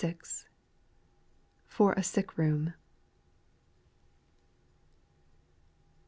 (for a sick boom.)